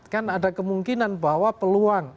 kan ada kemungkinan bahwa peluang